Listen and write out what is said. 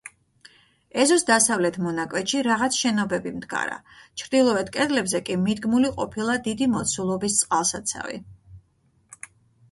ეზოს დასავლეთ მონაკვეთში რაღაც შენობები მდგარა, ჩრდილოეთ კედლებზე კი მიდგმული ყოფილა დიდი მოცულობის წყალსაცავი.